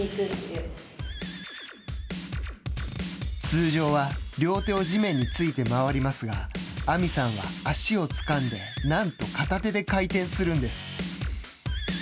通常は両手を地面について回りますが亜実さんは、足をつかんでなんと片手で回転するんです。